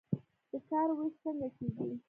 د کار ویش څنګه کیږي؟